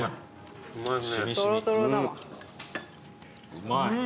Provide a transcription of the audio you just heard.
うまい。